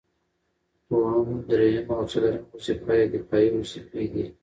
دوهم، دريمه او څلورمه وظيفه يې دفاعي وظيفي دي